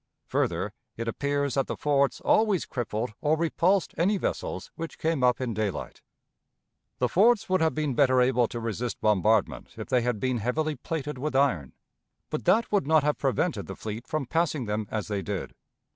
Further, it appears that the forts always crippled or repulsed any vessels which came up in daylight. The forts would have been better able to resist bombardment if they had been heavily plated with iron; but that would not have prevented the fleet from passing them as they did.